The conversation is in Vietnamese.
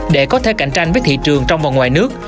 để có thể cạnh tranh với thị trường trong và ngoài nước